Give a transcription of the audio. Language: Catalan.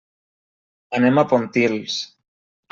Anem a Pontils.